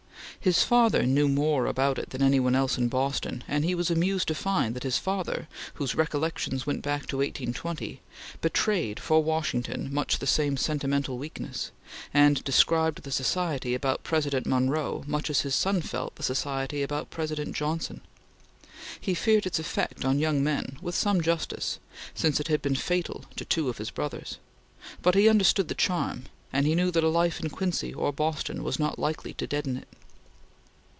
His father knew more about it than any one else in Boston, and he was amused to find that his father, whose recollections went back to 1820, betrayed for Washington much the same sentimental weakness, and described the society about President Monroe much as his son felt the society about President Johnson. He feared its effect on young men, with some justice, since it had been fatal to two of his brothers; but he understood the charm, and he knew that a life in Quincy or Boston was not likely to deaden it.